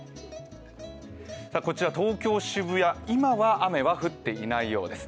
こちら東京・渋谷、今は雨が降っていないようです。